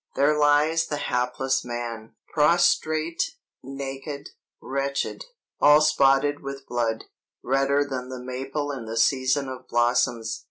"There lies the hapless man, prostrate, naked, wretched, all spotted with blood, redder than the maple in the season of blossoms.